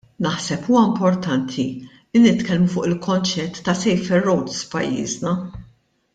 Naħseb huwa importanti li nitkellmu fuq il-konċett ta' safer roads f'pajjiżna.